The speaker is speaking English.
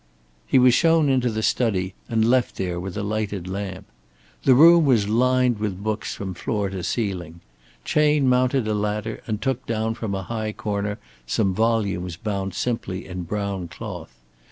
He was shown into the study and left there with a lighted lamp. The room was lined with books from floor to ceiling. Chayne mounted a ladder and took down from a high corner some volumes bound simply in brown cloth.